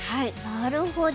なるほど。